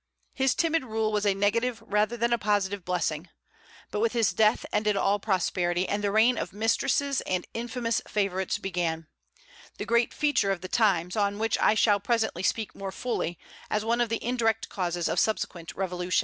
His timid rule was a negative rather than a positive blessing. But with his death ended all prosperity, and the reign of mistresses and infamous favorites began, the great feature of the times, on which I shall presently speak more fully, as one of the indirect causes of subsequent revolution.